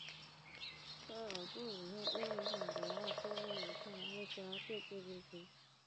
菲尔布里克米尔是位于美国加利福尼亚州门多西诺县的一个非建制地区。